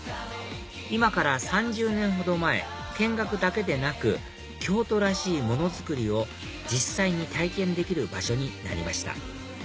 今から３０年ほど前見学だけでなく京都らしいものづくりを実際に体験できる場所になりました